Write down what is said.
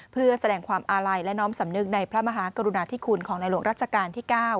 เพื่อแสดงความอาลัยและน้อมสำนึกในพระมหากรุณาธิคุณของในหลวงรัชกาลที่๙